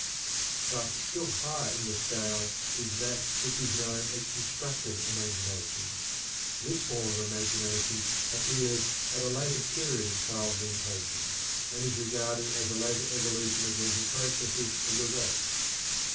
But still higher in the scale is that which is known as constructive imagination. This form of imagination appears at a later period of child mentation, and is regarded as a later evolution of mental processes of the race.